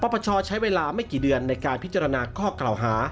ปปชใช้เวลาไม่กี่เดือนในการพิจารณาข้อกล่าวหา